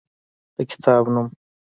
د کتاب نوم: